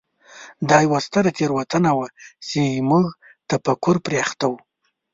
دا یوه ستره تېروتنه وه چې زموږ تفکر پرې اخته و.